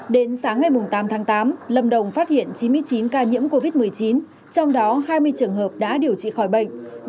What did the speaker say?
đến sáng ngày tám tháng tám lâm đồng phát hiện chín mươi chín ca nhiễm covid một mươi chín trong đó hai mươi trường hợp đã điều trị khỏi bệnh